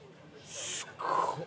すごっ！